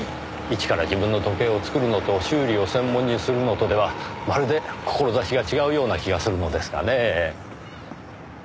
一から自分の時計を作るのと修理を専門にするのとではまるで志が違うような気がするのですがねえ。